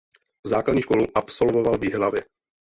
Základní školu absolvoval v Jihlavě.